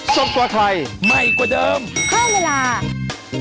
ใช่ค่ะ